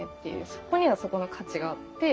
そこにはそこの価値があって。